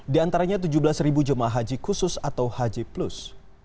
diantaranya tujuh belas ribu jemaah haji khusus atau haji plus